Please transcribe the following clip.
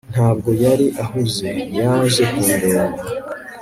nubwo yari ahuze, yaje kundeba